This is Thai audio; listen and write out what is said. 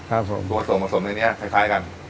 ครับผมตัวส่วนผสมในนี้คล้ายกัน